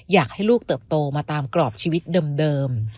อยากให้ลูกเติบโตมาตามกรอบชีวิตเดิม